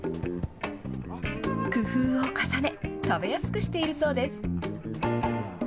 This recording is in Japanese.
工夫を重ね、食べやすくしているそうです。